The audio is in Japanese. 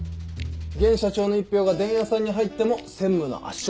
現社長の１票が伝弥さんに入っても専務の圧勝。